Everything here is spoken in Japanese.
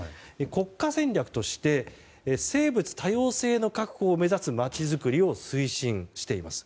国家戦略として生物多様性の確保を目指す街づくりを推進しています。